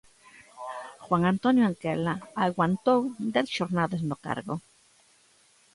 Juan Antonio Anquela aguantou dez xornadas no cargo.